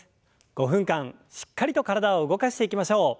５分間しっかりと体を動かしていきましょう。